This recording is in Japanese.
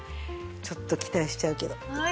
ちょっと期待しちゃうけど。